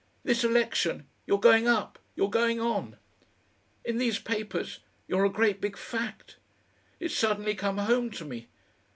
This election You're going up; you're going on. In these papers you're a great big fact. It's suddenly come home to me.